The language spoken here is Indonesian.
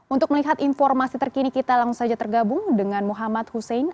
untuk melihat informasi terkini kita langsung saja tergabung dengan muhammad hussein